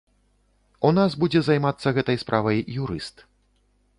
У нас будзе займацца гэтай справай юрыст.